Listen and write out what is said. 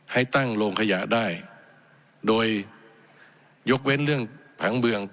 ให้ตั้งโรงขยะได้โดยยกเว้นเรื่องผังเมือง